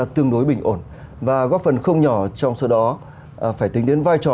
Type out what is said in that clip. tương đối bình ổn và góp phần không nhỏ trong số đó phải tính đến vai trò